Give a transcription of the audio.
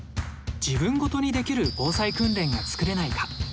自分ごとにできる防災訓練が作れないか？